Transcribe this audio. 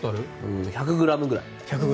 １００ｇぐらい。